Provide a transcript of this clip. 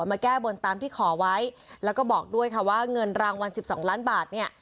มาแก้บนตามที่ขอไว้แล้วก็บอกด้วยค่ะว่าเงินรางวัล๑๒ล้านบาทเนี่ย